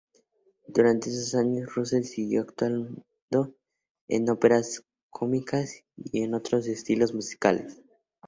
Durante esos años, Russell siguió actuando en óperas cómicas y en otros estilos musicales.